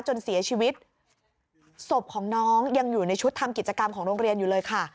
จนเสียชีวิตศพของน้องยังอยู่ในชุดทำกิจกรรมของโรงเรียนอยู่เลยค่ะ